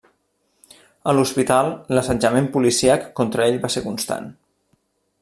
A l'hospital, l'assetjament policíac contra ell va ser constant.